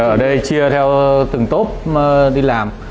ở đây chia theo từng tốp đi làm